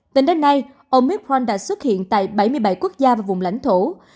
từ đến nay omicron đã xuất hiện tại bảy mươi bảy quốc gia và vùng lãnh thổ